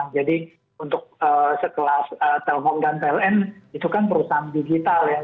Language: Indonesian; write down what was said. jadi untuk sekelas telkom dan pln itu kan perusahaan digital